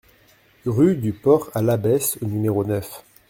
Rue du Port à l'Abbesse au numéro neuf